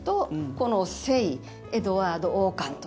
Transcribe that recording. この聖エドワード王冠。